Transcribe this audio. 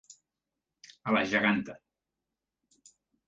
A la geganta.